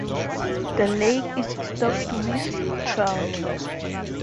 The lake is stocked with trout.